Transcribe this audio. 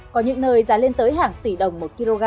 có những nơi giá lên tới hàng tỷ đồng một kg